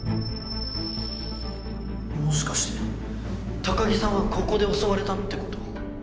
もしかして高城さんはここで襲われたってこと？